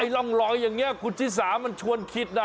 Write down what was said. ไอ้ร่องรอยอย่างเนี่ยคุณศิษย์สามันชวนคิดน่ะ